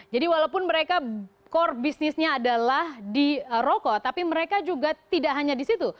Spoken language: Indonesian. jadi walaupun mereka core bisnisnya adalah di rokok tapi mereka juga tidak hanya di situ